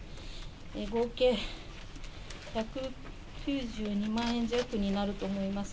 合計１９２万円弱になると思います。